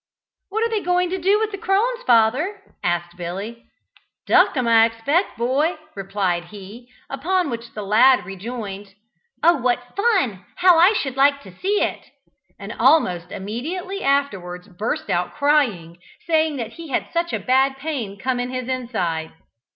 "What are they going to do with the crones, father?" asked Billy. "Duck 'em, I expect, boy," replied he; upon which the lad rejoined, "Oh, what fun! how I should like to see it!" and almost immediately afterwards burst out crying, saying that he had such a bad pain come in his inside.